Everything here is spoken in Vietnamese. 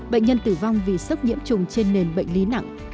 bệnh nhân tử vong vì sốc nhiễm trùng trên nền bệnh lý nặng